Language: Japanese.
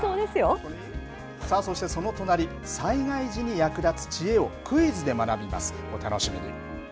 さあそしてその隣、災害時に役立つ知恵を、クイズで学びます。